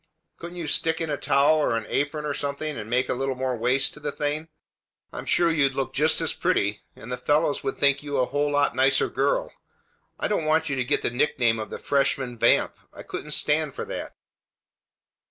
Couldn't you stick in a towel or an apron or something, and make a little more waist to the thing? I'm sure you'd look just as pretty, and the fellows would think you a whole lot nicer girl. I don't want you to get the nickname of the Freshman Vamp. I couldn't stand for that."